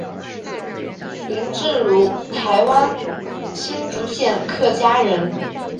林志儒台湾新竹县客家人。